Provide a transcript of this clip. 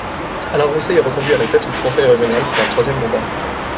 Alain Rousset est reconduit à la tête du conseil régional pour un troisième mandat.